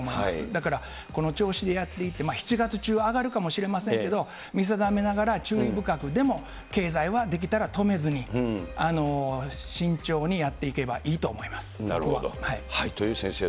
だから、この調子でやっていって、７月中、上がるかもしれませんけれども、見定めながら、注意深く、でも経済はできたら止めずに、慎重にやっていけばいいと思います。